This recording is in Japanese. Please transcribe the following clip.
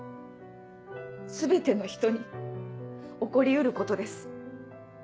全ての人に起こり得ることです。